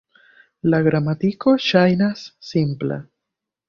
La gramatiko ŝajnas simpla.